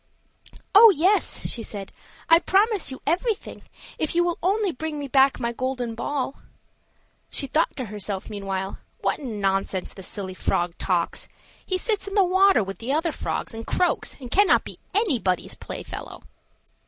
"Oh, yes!" said she; "I promise you every thing, if you will only bring me back my golden ball." She thought to herself, meanwhile: "What nonsense the silly frog talks! He sits in the water with the other frogs, and croaks, and cannot be anybody's playfellow!"